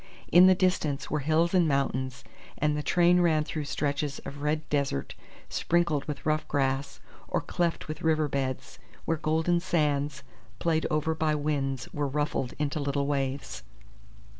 In the distance were hills and mountains, and the train ran through stretches of red desert sprinkled with rough grass, or cleft with river beds, where golden sands played over by winds were ruffled into little waves.